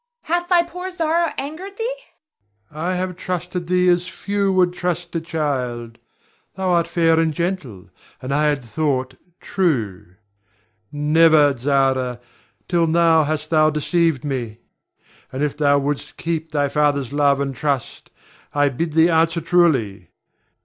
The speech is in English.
Hath thy poor Zara angered thee? Ber. I have trusted thee as few would trust a child. Thou art fair and gentle, and I had thought true. Never, Zara, till now hast thou deceived me; and if thou wouldst keep thy father's love and trust, I bid thee answer truly.